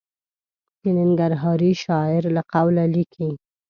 د ننګرهاري شاعر له قوله لیکي.